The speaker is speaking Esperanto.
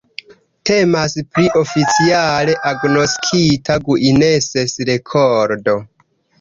Temas pri oficiale agnoskita Guiness-rekordo.